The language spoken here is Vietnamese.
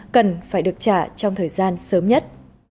cần phải được trả trong thời gian sớm nhất